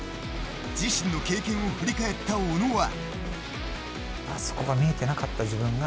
自身の経験を振り返った小野は。